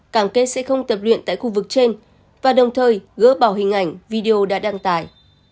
cảm kết sẽ không tập luyện tại khu vực trên và đồng thời gỡ bỏ hình ảnh video đã đăng tải